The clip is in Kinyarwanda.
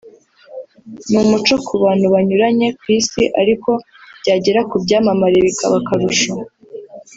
ni umuco ku bantu banyuranye ku isi ariko byagera ku byamamare bikaba akarusho